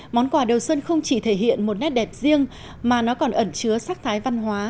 món quà đầu xuân không chỉ thể hiện một nét đẹp riêng mà nó còn ẩn chứa sắc thái văn hóa